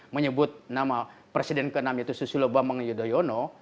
menyebut nama presiden ke enam yaitu susilo bambang yudhoyono